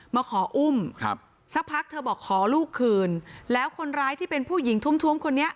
มาขออุ้มครับสักพักเธอบอกขอลูกคืนแล้วคนร้ายที่เป็นผู้หญิงทุ่มคนนี้